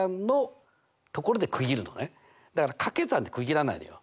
だから掛け算で区切らないのよ。